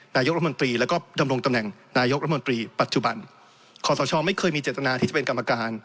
นายกรัฐมนตรีแล้วก็ดำรงตำแหน่งนายกรัฐมนตรีปัจจุบันขอสชไม่เคยมีเจตนาที่จะเป็นกรรมการ